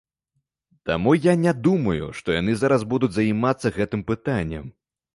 Таму я не думаю, што яны зараз будуць займацца гэтым пытаннем.